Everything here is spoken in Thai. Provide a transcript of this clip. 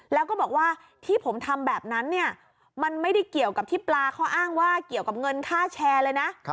แล้วก็บอกว่าที่ผมทำแบบนั้นเนี่ยมันไม่ได้เกี่ยวกับที่ปลาเขาอ้างว่าเกี่ยวกับเงินค่าแชร์เลยนะ